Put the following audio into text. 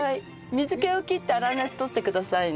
水気を切って粗熱取ってくださいね。